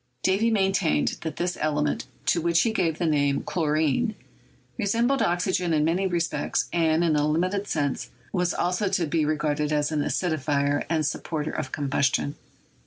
Davy maintained that this element, to which he gave the name "chlorine," resembled oxygen in many respects, and, in a limited sense, was also to be re garded as an acidifier and supporter of combustion.